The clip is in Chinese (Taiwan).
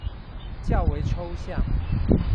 較為抽象